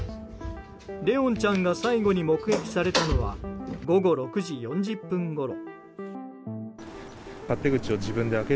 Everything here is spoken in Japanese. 怜音ちゃんが最後に目撃されたのは午後６時４０分ごろ。